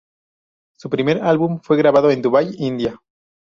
Su primer álbum fue grabado en Dubái, India.